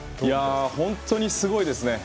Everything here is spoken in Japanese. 本当にすごいですね。